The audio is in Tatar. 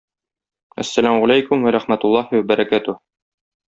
Әссәләмү галәйкүм вә рахмәтуллаһи вә бәракәтүһ!